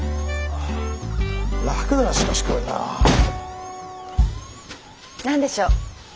楽だなしかしこれな。何でしょう？